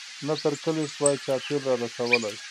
نه تر کلي سوای چا تېل را رسولای